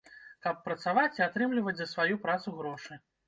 Каб працаваць і атрымліваць за сваю працу грошы.